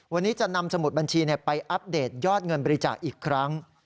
วันนี้จะนำสมุดบัญชีไปอัปเดตยอดเงินบริจาคอีกครั้ง